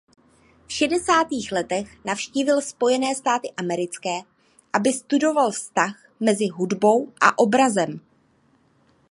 V šedesátých letech navštívil Spojené státy americké aby studoval vztah mezi hudbou a obrazem.